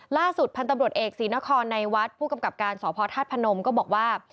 ล่าสุดพันธุ์ตำรวจเอกศรีนครในวัดผู้กำกับการสพธาตุพนมก็บอกว่า